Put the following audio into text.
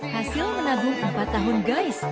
hasil menabung empat tahun guys